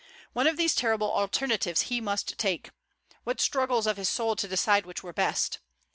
One of these terrible alternatives he must take. What struggles of his soul to decide which were best!